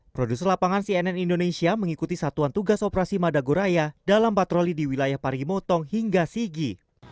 produser lapangan cnn indonesia mengikuti satuan tugas operasi madagoraya dalam patroli di wilayah parimotong hingga sigi